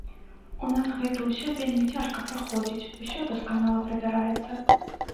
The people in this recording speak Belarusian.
У нас гэта ўсё вельмі цяжка праходзіць, усё дасканала правяраецца.